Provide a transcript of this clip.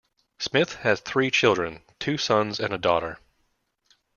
Smith has three children, two sons and a daughter.